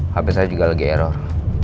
hp saya juga lagi error